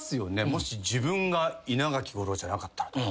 もし自分が稲垣吾郎じゃなかったらとか。